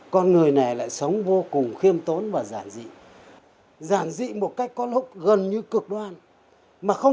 con người này lại sống vô cùng khiêm tốn và giản dị giản dị một cách có lúc gần như cực đoan mà không